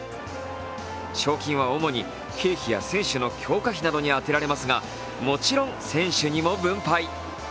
賞金は主に経費や選手の強化費などに充てられますがもちろん選手にも分配。